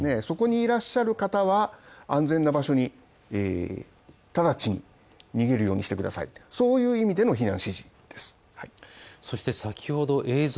そこにいらっしゃる方は安全な場所に直ちに逃げるようにしてくださいっていうそういう意味での避難指示です。